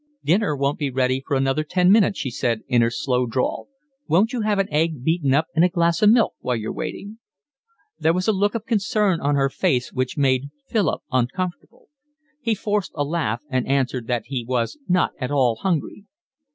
"Dinner won't be ready for another ten minutes," she said, in her slow drawl. "Won't you have an egg beaten up in a glass of milk while you're waiting?" There was a look of concern on her face which made Philip uncomfortable. He forced a laugh and answered that he was not at all hungry.